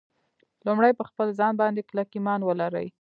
لومړی پر خپل ځان باندې کلک ایمان ولرئ